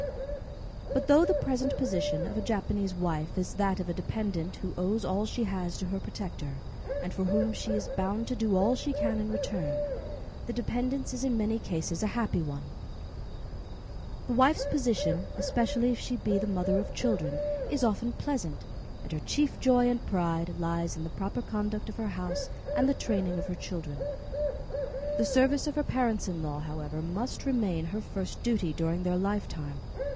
But though the present position of a Japanese wife is that of a dependent who owes all she has to her protector, and for whom she is bound to do all she can in return, the dependence is in many cases a happy one. The wife's position, especially if she be the mother of children, is often pleasant, and her chief joy and pride lies in the proper conduct of her house and the training of her children. The service of her parents in law, however, must remain her first duty during their lifetime.